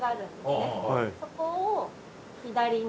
そこを左に。